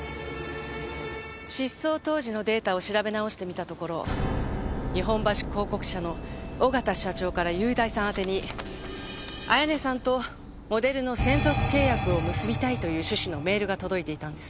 失踪当時のデータを調べ直してみたところ日本橋広告社の小形社長から優大さん宛てに彩音さんとモデルの専属契約を結びたいという趣旨のメールが届いていたんです。